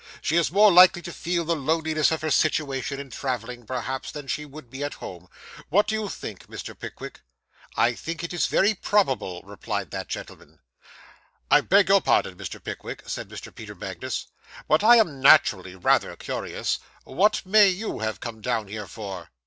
She is more likely to feel the loneliness of her situation in travelling, perhaps, than she would be at home. What do you think, Mr. Pickwick?' 'I think it is very probable,' replied that gentleman. 'I beg your pardon, Mr. Pickwick,' said Mr. Peter Magnus, 'but I am naturally rather curious; what may you have come down here for?